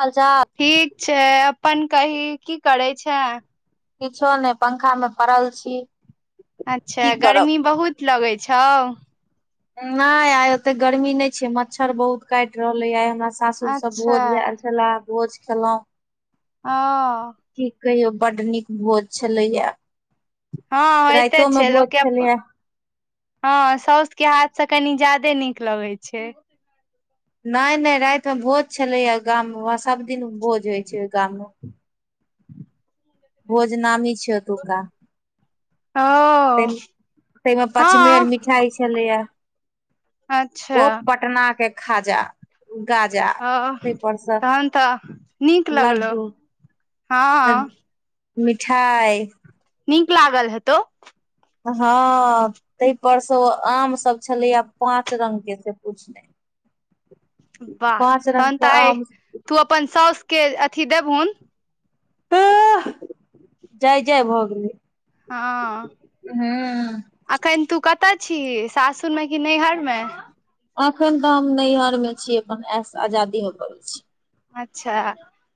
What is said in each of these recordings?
हालचाल ठीक छै अपन कही की करै छै। किछो नहि पंखा मे पड़ल छी। अच्छा की करब गर्मी बहुत लगै छौ। नहि आइ ओते गर्मी नहि छै मच्छर बहुत काइट रहले आइ हमरा सब सासूर सऽ अच्छा भोज भेएल छैला भोज खेलो ह की कहियौ बड नीक भोज छलैयै। हँ होयते छै लोक के अप छलैया हँ साउस के हाथ से कनी ज्यादे नीक लगै छै। नहि नहि राति मे भोज छलैएहि गाम मे व सभ दिन भोज होइ छै ओहि गाम मे। भोज नामी छै ओतुका। तहि ओ ताहिमे पंचमेर हँ मिठाई छलैया। ओ अच्छा। पटना के खाजा गाजा ओ ताहि पर से तहन तऽ नीक लगलो, लड्डू हँ। मिठाइ। नीक लागल हेतो। हँ। ताहि पर से ओ आम सब छलैया पाँच रंग के से बुझी। वाह पाँच तहन रंगके तऽ आइ आम तू अपन साउसके अथी देबुहुन। अह जाय जाय भऽ गेलै। हँ। हूँ अखन तू कतय छीह सासुरमे कि नैहरमे? अखन तऽ हम नैहर में छी अपन ऐस आजादी में पलल छी। अच्छा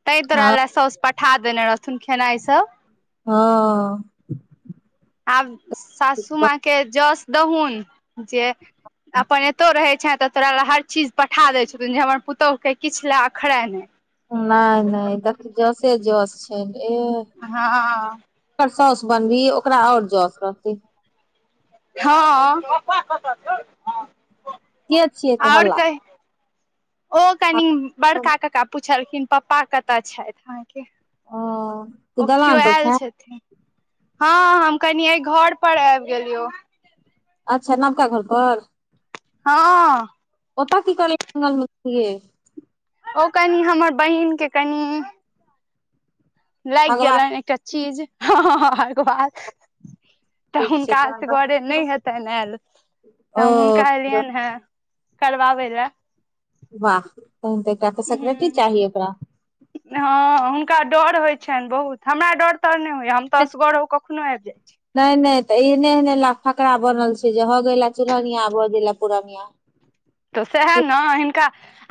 तैं तोरा हँ लए साउस पठा देने रहथुन खेनाइ सब। हँ। आब सासू माँ के जस दहुन। जे अपन एतौ रहैत छै तैं तोरा लै हर चीज पठा दै छथुन जे हमर पुतहु के किछु लए अखरे नहि। नहि नहि देख जसे जस छै एह। हँ। ओकर सौस बनबी ओकरा आओर जैस रहते। हँ। के छियै से और हल्ला कहि ओ कनि बड़का कक्का पुछलखिन पप्पा कतऽ छैथ अहाँके ओ तू ओ केओ दलान पर आयल छें छथिन हँ हम कनि एहि घर पर आबि गेलियौ। अच्छा नवका घर पर। हँ। ओता की करै जंगलमेे गेलही गे। ओ कनि हमर बहिन के कनि लागि भगवा गेलनि एकटा चीज ह बाद। तऽ ठीक छै हुनका असगरे नहि हेतनि आयल ओ तऽ हम हुनका एलियनि हे करवावे ले। वाह तहन तऽ एकटा सेक्रेटरी ह चाही ओकरा। हँ हुनका डर होइ छनि बहुत हमरा डर तरऽ नहि होइ या। असगरौ कखनो एब जाइ छी। नहि नहि तऽ एहने एहने ला फकराा बनल छै जे ह ग ला चूरनिया भऽ गेलेला पूरणिया। तऽ सएह ने हिनका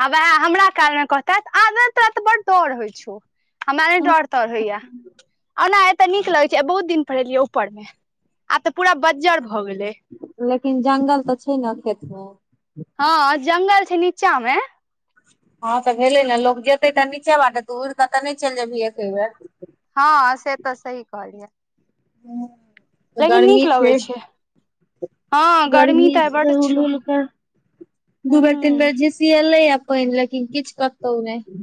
आ वएह हमरा कालमे कहत आद तोरा त बड डर होइ छौ। हमारा नय डाॅर ताॅड़ होइयए आ ओना ए तऽ नीक लग छै आ बहुत दिन पर एलिये ऊपर मे आब तऽ पूरा बज्जर भए गेलेय। लेकिन जंगल तऽ छै ने खेत मे। हँ जंगल छै नीचा मे। हँ तऽ भेलै ने लोक जेतै तऽ नीचे बाटे तु उड़ि कऽ तऽ नहि चलि जेबही एके बेर। हँ से तऽ सही कहलियै। लेकिन नीक गरमी छै। लगै हँ गर्मी तऽ छै बड छौ हुलहुलका दू बेर तीन ह बेर झीसीएलै यै पाइन लेकिन किछ कतहु नहि।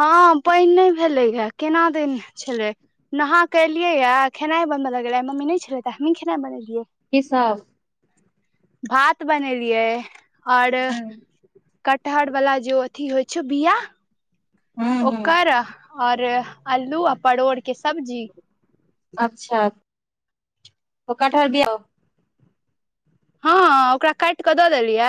हँ पाइन नहि भेलैहै, केना दैन छेलै। नहा क एलियै यै, खेनाइ बनबय लगलियै आइ मम्मी नहि छलै तऽ आइ हमही खेनाइ बनेलियै की सब? भात बनेलियै और हँ कटहर बला जे ओ अथी होइ छै बिया हँ हँ ओकर और अल्लू आ परोड़ के सब्जी अच्छा ओ कठहर बिआ हँ ओकरा काइट कऽ दऽ देलियै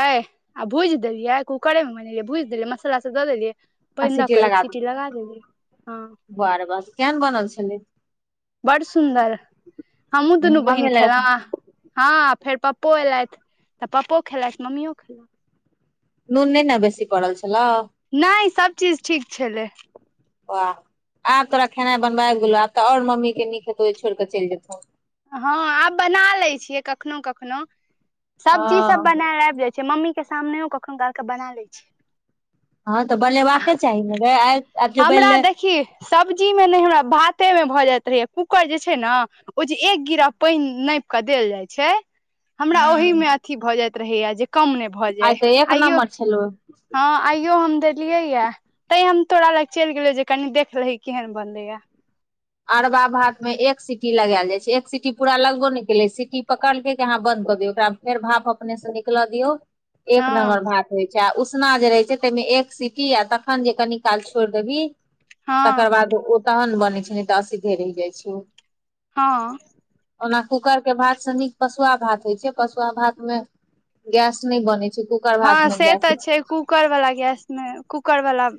आ भुजि देलियै, कूकरे मे बनेलियै भुइज देलियै मसल्ला सब दऽ देलियै। आ पाइन दऽ सीटी क एक सिटी लगा देलियै, हँ वाह रे वाह, केहन बनल छलै? बड़ सुन्दर, हमहुँ दुनू बहिन मम्मी लग खेलौं आ हँ फेर पप्पो एलथि तऽ पप्पो खेलथि मम्मीयो खेलथि। नून नहि ने बेसी पड़ल छलौ। नहि सब चीज ठीक छलै। वाह आब तोरा खेनाइ बनबय आइब गेलौ, आब तऽ और मम्मी के नीक हेतौ जे छोड़िकऽ चलि जेतौ। हँ आब बना ले छियै कखनो कखनो, सब्जी सब हँ बनैल आबि जाय छै। छै, मम्मी के सामनेओ कखनो काल क बना लै छियै। हँ तऽ बनेबाके चाही ने गै, आइ आब जे हमरा बनि देखी सब्जी में नहि हमरा भातेमे भऽ जाइत रहैए, कूकर जे छै न ओ जे एक गिरह पानि नापि कऽ देल जाय छै हमरा ओहि हूँ मे अथी भऽ जाइत रहैयै जे कम नहि भऽ आइ जाय तऽ एक आइयौ नम्बर छलौ हँ आइयो हम देलियै यै तैं हम तोरा लग चलि गेलौ जे कनी देख लही केहन बनलैयै। अरबा भात में एक सीटी लगायल जाय छै एक सीटी पूरा लगबो नहि केलै सीटी पकड़ लकै की अहाँ बंद कऽ दियौ ओकरा फेर भाप अपने स निकल दियौ एक हँ नम्बर भात होइ छै आ उसना जे रहै छै तहिमे एक सीटी आ तखन जे कनि काल छोड़ि देबही हँ तकर बाद ओ तहन बनै छै नै तऽ असीधे रहि जाइ छै ओ। हँ ओना कूकर के भात स नीक पसुआ भात होइ छै, पसुआ भात मे गैस नहि बनेै छै कुक हँ से तऽ छै। कूकर वाला गैस मे कूकर वाला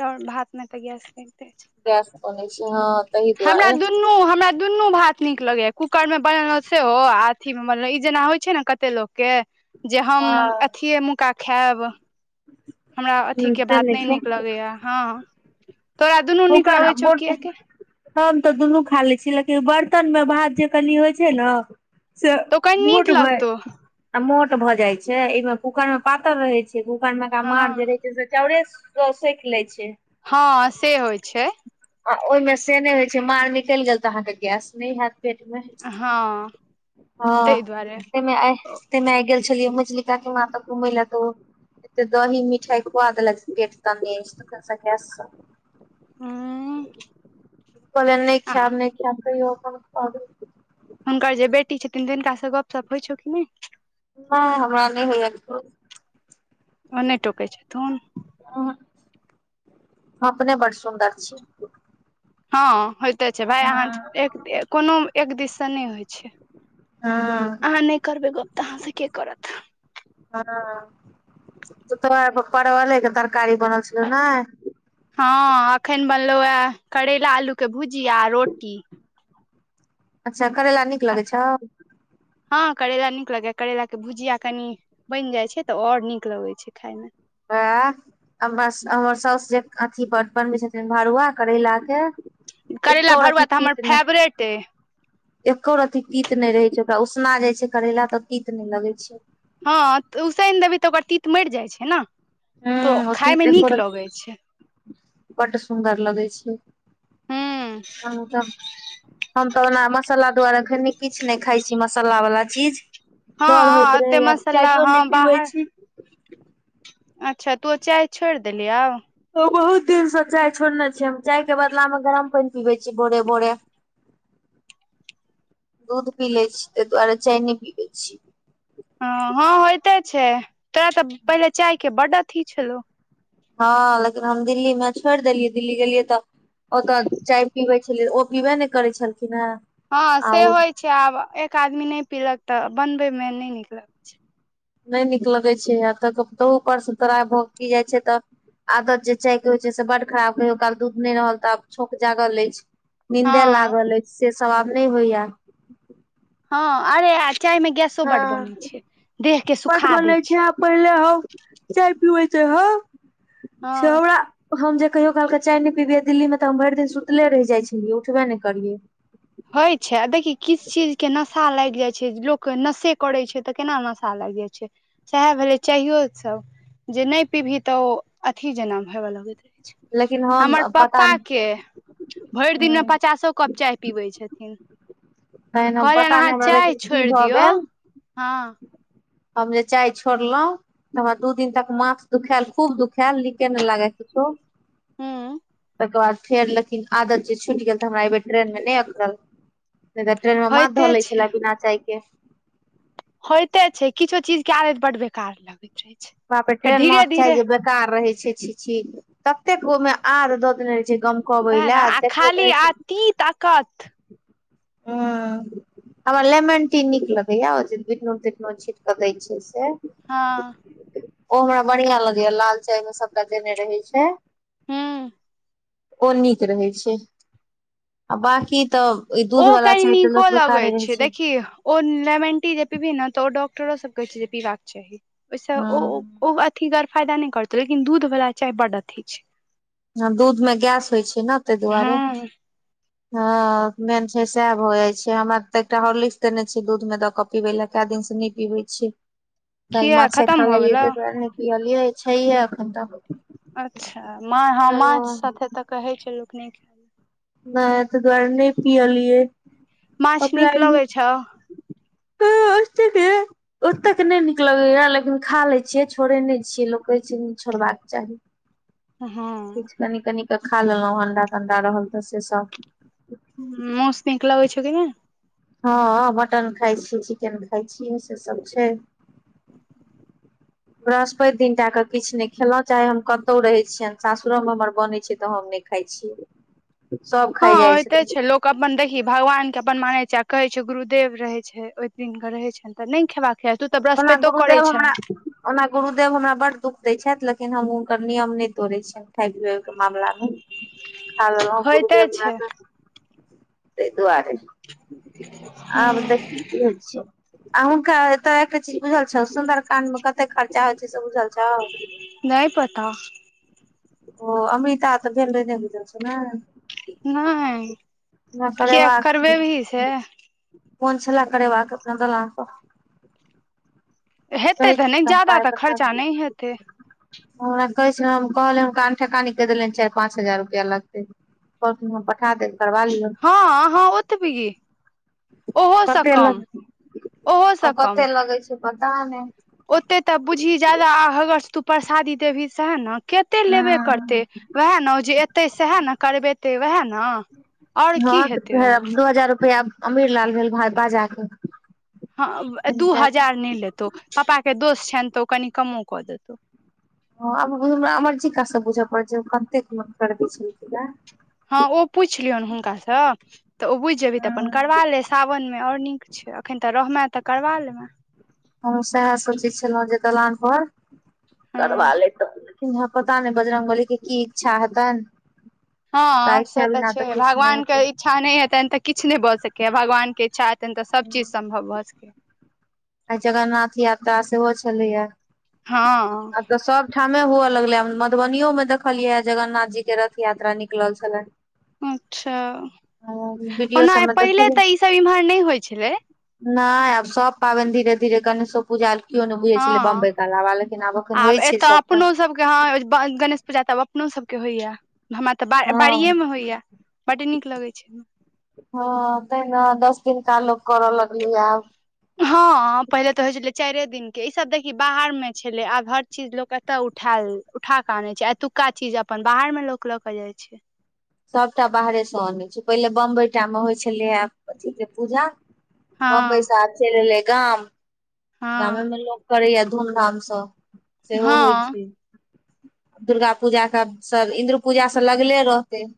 चाउर भात मे तऽ गैस बनइते छै गैस बनै छै, हं। हमरा दुनू हमरा दुनू भात नीक लगैए। कूकर मे बनेलहुँ सेहो आ अथी मे बनेलहुँ ई जेना होइ छै ने कते लोकके जे हम ह अथिये मौंका खायब हमरा अथीके से भात नहि छै नीक लगैयै, हँ तोरा दुनू निक कूकर लगै छौ कि एके हम तऽ दुनू खा लै छी लेकिन बर्तन मे भात जे कनि होइ छै न से - तो कनी [unintelligible] नीक ट भइ लगतौ आ मोट भ जाय छै। एइ में कूकर में पातर रहै छै। कुकर में का मार हँ जे रहे इ जे चाओड़े सोईख लइ छै। हँ, से होइ छै। आ ओहिमे से नहि होइ छै। मार निकलि गेल तऽ अहाँके गैस नहि हैत। हँमे हँ आ ताहि दुआरे [unintelligible] [unintelligible] में आइ गेल छलियै मैझलि काकीमां ओतो घुमै लए त ओ त दही मिठाइ खुआ देलास [unintelligible] पेट तनने अछि तखैन से गैस स। हुँ, कहलियानि नहि खैब, नहि खैब तैयो अपना खुआ देलखिन। हुनकर जे बेटी छथिन, तिनका से गपशप होइ छौ कि नहि? हँ हमरा नहि होइये केकरो ओ नहि टोकै छेथून। उं-हुं, हम अपने बड सुन्दर छी। हँ होयइते छै। भाय अहाँ ए- हँ एक कोनो एक दिस से नहि होइ छै। हँ अहाँ नहि करबै गप्प तऽ अहाँ से के करत? [unintelligible] तो तोरा परवले के तरकारी बनल छलौ न? हँ, अखैन बनलहु हें करैला आलू के भुजिआ आ रोटी। अच्छा करैला नीक लगै छौ? हँ करैला नीक लगैया। करैेला के भुजिया कनि बनि जाइ छै तऽ ओ और नीक लगै छै खायमे। [unintelligible] बस हमर साउस जे अथी पर बनबै छथिन भरुआ करैला के करैला एक्को रती भरुआ तऽ हमर तित नैह। फेवरेट अइ एक्को रति तीत नहि रहै छै। ओकरा उसना जाय छै करैला तऽ तीत नहि लगै छै। हँ उसैन देबिंह तऽ ओकर तीत मरि जाय छै ने, तो खाय मे नीक लगै छै। बड सुन्दर लगै छै। हूँ हम [unintelligible] हम तऽ ओना मसाला दुआारे अखनि किछ नहि खाइ छी मसाला वाला चीज। हँ डर होइत एते रहैये आब। मसाला चाययो हँ नहि पीबै बाहर छी। अच्छा तों चाय छोड़ि देली आब? ओ बहुत दिनसे चाय छोड़ने छिय। हम चाय के बदला मे गरम पानि पीबै छी भोरे-भोरे। दूध पी लै छी। तै दुआरे चाय नै पीबै छी। हं, हँ होइते छै। तैं तऽ पहिले चाय के बड अथी छलौह। हँ लेकिन हम दिल्ली मे छोड़ि देलियै। दिल्ली गेलियै तऽ ओतऽ चाय पीबै लियै। ओ पीबे नहि करै छलखिन हेँ। हँ आ से ओ होइ छै, आब एक आदमी नहि पीलक तऽ बनबै मे नहि निक लगत नहि नीक लगै छै। आ तऽ-तहु परसँ तोरा भ की जाइ छै तऽ आदत जे चाय के होइ छै से बड खराब। कहियो काल दूध नहि रहल तऽ आब छौंक जागल अइछ। निन्दे हँ लागल अछि से सब आब नहि होइया। हँ, अरे आ चाय में गैसो हँ बड बनै छै। देह के बड सुखा दै बनै छै। आ पहिले हम चाय पिबैत रहौं से हँ हमरा हम जे कहियो कालके चाय नहि पीबियै दिल्लीमे तऽ हम भरि दिन सुतले रहि जाइ छलियै। उठबे नहि करियै। होइ छै आ देखी किछ चीज के नशा लागि जाइ छै, लोक नशे करैत छै तऽ केना नशा लागि जाइ छै। सएह भेलै चाहियो सभ। जे नहि पीबही तऽ ओ अथी जेना [unintelligible] लगै लेकिन हम हमर पता पप्पा के, भरि दिन मे नहि पचासो कप चाय पीबै छथिन। तहन हम कहलियन पता अहाँ नहि हमरा चाय लेकिन की छोड़ि भऽ दियौ, गेल हँ। हम जे चाय छोड़लों हमरा दू दिन तक माथ दुखाल खूब दुखा खाल नीके नहि लागे कीछो हूं तकर बाद फेर लेकिन आदत जे छुटि गेल तऽ हमरा एहि बेेर ट्रेन मे नहि अखरल। नहि तऽ ट्रेन मे माथ होइते धऽ ले छै छलै बिना चाय के। होयते छै किछो चीज के आदत बड बेकार लगय बाप ड़े ट्रेन महक चाय जै बेकार कार रहे छै छि छि ततेक ओहिमे आद दऽ देने रहै छै गम वएह ने आ खाली आ तीत अकत। हुं। हमरा लेमन टी नीक लगैया बिटनून तिटनून छींटकऽ दै छियै से। हँ। ओ हमरा बढ़िया लगैया लाल चाय मे सबटा देने रहै छै। हुं। ओ नीक रहै छै आ बकी त ओ कनि नीको लगई छै देखी ओ लेमन टी जे पिबही ने तऽ ओ डॉक्टरो सब कहई छय जे पीबाक चाही ओई सँ ह ओ ओ अथी गर फायदा नय करतौ लेकिन दूध वला चाय बड अथी छै। दूध मे गैस होइ छै न तई दुआरे। हँ हँ मेन छै सेएह भऽ जाइ छै हमरा तऽ एकटा हार्लिक्स देने छै दूध मे दऽ क पीबे लए कए दिन से नहि पिबे छियै काईल किया माछ खतम खा भऽ लेलियै गेलौ ता दुआरे नय पियलियै छैेह एखन तक। अच्छा मा हँ माछ सथे तऽ कहैत छै लोक नहि खाय नय तई दुआरे नए पियलियै माछ अपना नीक लगै छौ [inaudible] ओतेक नई नीक लगेया लेकिन खा ले छियै छोड़े नै छीयै लोक कहै छै नय छोड़बाक नई चाही। [unintelligible] हुं। किछु कनि कनि क खा लेलहुँं अंडा तंडा रहल तऽ से सब। मोऊस निक लगे छो कि नई। हँ मटन खाइ छियै चिकेन खाय छियै से सब छै। [unintelligible] बृहस्पेत दिन टा क किछ नय खेलों चाहे हम कतौ रहे छियनि सासुरो मे हमर बने छै त हम नै खाइ छियै। सभ हँ खाइ जाइ होइते ऽ छथिन छै लोक अपन देखही भगवान के अपन मानै छै आ कहै छै गुरुदेव रहै छै ओहि दिन क रहै छै। तऽ नय खेबाक चाही तू तऽ ओना बृहस्पतिो करै गुरुदेव छले हमरा ओना गुरुदेव हमरा बड दुःख दै छैथ लेकिन हम हुनकर नियम नए तोड़ैय छियन। खाई पिऐ के मामलामे खा लेलौ होइते गुरदेव हमरा छै स ताई दुआरे आब देखही की होइ छै? आ हुनका एत एकटा चीज बुझल छौ सुन्दर कांड में कतेऽ खर्चा होइ छै से बुझल छौ। नय पता। ओ अमृता तऽ गेल रहै ननै बुझल छौ नय। नए किए करेबाक छै करबेबीही से? मोन छलै करेबाक अपना दलान पर। हेतै कहै तऽ नहि हम जादा तऽ खर्चा नहि हेतै। ह वैह कहै छै हम कहलिऐन हुनका अनठेकानी कहि देलियनि चाइर पाँच हजार रुपया लगतै। कहलखिन हम पठा देेब। हॅं हॅं ओतबी ओहो स कते कम लग ओहो स कम कते लगै पता नहि ओते तऽ बुझही ज्यादा आगास तू परसादी देबही सैहै न केते लेबे करतै हँ वहै न जे एतै सेहै न करबेतै वहै न हॅं त वैहै दू हजार रुपैया अमीर लाल भेल भाइ बाजा के हॅं दू हजार नहि लेतौ पप्पा के दोस्त छनि तऽ ओ कनि कमो कऽ देतौ। हॅं आब [unintelligible] हमरा अमरजी का स बुझऽ पड़त जे ओ कतेक मे करबै छलखिनए। हॅं ओ पूछि लियहुन हुनका स तऽ ओ बुझि जेभी तऽ अपन करबा ले सावन मे और नीक छै अखनि तऽ रहमैं तऽ करबा लेमैं। हमहुं सेहै सोचै छलहुँ जे दलान पर हँ करबा लैतौं। की हैत पता नहि बजरंगबली के की इच्छा हेतनि हुनका हॅं से इच्छा तऽ बिना छैय किछु नहि भगवानके हेतै इच्छा नहि हेतनि तऽ किछ नहि भऽ सकैए भगवानके इच्छा हेतनि तऽ सब चीज सम्भव भऽ सकेैयै। आइ जगन्नाथ यात्रा सेहो छलैयै। हॅं। आब तऽ सब ठामे हुअ लगलै मधुबनियो में देखलियैये जगन्नाथ जी के रथ यात्रा निकलल छलै। अच्छा, वीडियो ओना अ सबमे पहिले देखलियै तऽ ई सब इम्हर नहि होइ छलै नहि आब सब पाबनि धीरे धीरे गणेशो पूजा केओ नहि बुझै छलै हँ बम्बई के अलावा लेकिन एखन आब होइ छै एतऽ सबटा अपनो स सबके हॅं गणेश पूजा तऽ अपनो सबके होइयै हमरा तऽ बा हँ बाड़िए मे होइयै। बड नीक लगै छैय हॅं तै न दस दिनका लोक करऽ लगलैयै आब हॅं पहिले तऽ होइ छलै चारे दिन के ईसभ देखी बाहर मे छलै आब हर चीज लोक के एतऽ उठैल उठा के आनय छैय आ एतुका चीज अपन बाहर में लोक ल के जाय छैय सबटा बाहरे स अनै छैय पहिले बम्बई टा मे होइ छलैयै अथि के पूजा हँ बम्बईस आब चैल एलै गाम हँ गामे में लोक करैयै धूम धाम स सेहो होइ हँ छैय। दुर्गा पूजाक सब इन्द्र पूजा स लगले रहतै